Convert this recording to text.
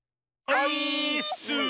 オイーッス！